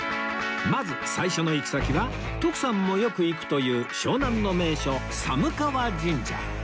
まず最初の行き先は徳さんもよく行くという湘南の名所寒川神社